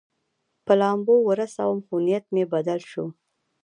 په لامبو ورسوم، خو نیت مې بدل شو.